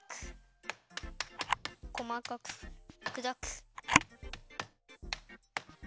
こまかくくだく。